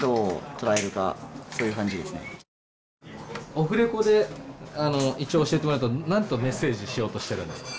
・オフレコで一応教えてもらうと何とメッセージしようとしてるんですか？